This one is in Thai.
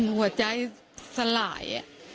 หัวใจสลาย